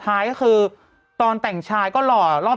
นางหนุ่มมองข้างหลังอีกแล้วเนี่ย